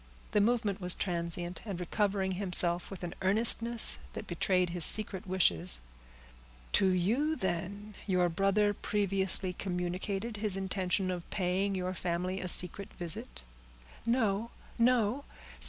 The movement was transient, and recovering himself, with an earnestness that betrayed his secret wishes,— "To you, then, your brother previously communicated his intention of paying your family a secret visit?" "No!—no!"